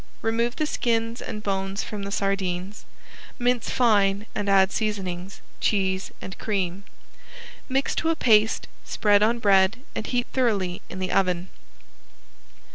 Remove the skins and bones from the sardines, mince fine and add seasonings, cheese and cream. Mix to a paste, spread on bread and heat thoroughly in the oven.